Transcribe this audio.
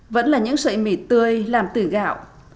vẫn là những sợi mì tươi làm từ gạo